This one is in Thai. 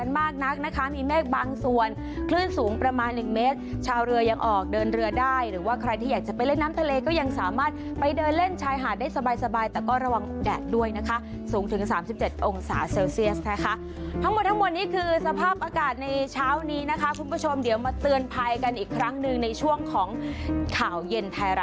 มากนักนะคะมีเมฆบางส่วนคลื่นสูงประมาณหนึ่งเมตรชาวเรือยังออกเดินเรือได้หรือว่าใครที่อยากจะไปเล่นน้ำทะเลก็ยังสามารถไปเดินเล่นชายหาดได้สบายสบายแต่ก็ระวังแดดด้วยนะคะสูงถึง๓๗องศาเซลเซียสนะคะทั้งหมดทั้งหมดนี้คือสภาพอากาศในเช้านี้นะคะคุณผู้ชมเดี๋ยวมาเตือนภัยกันอีกครั้งหนึ่งในช่วงของข่าวเย็นไทยรัฐ